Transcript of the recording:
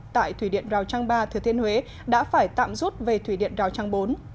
tại thủy điện rào trang ba thừa thiên huế đã phải tạm rút về thủy điện rào trang bốn